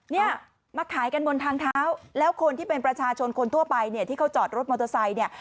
เนี่ยมาขายกันบนทางเท้าแล้วคนที่เป็นประชาชนคนทั่วไปเนี่ยที่เขาจอดรถมอเตอร์ไซค์เนี่ย